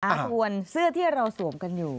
ส่วนเสื้อที่เราสวมกันอยู่